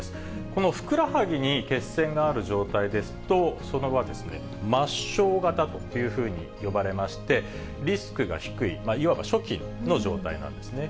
このふくらはぎに血栓がある状態ですと、それは末しょう型と呼ばれまして、リスクが低い、言わば初期の状態なんですね。